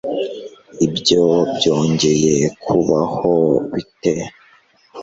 ibyo byongeye kubaho bite